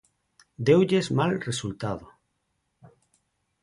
Deulles mal resultado.